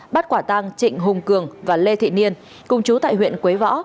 bắt quả tang trịnh hùng cường và lê thị niên cùng chú tại huyện quế võ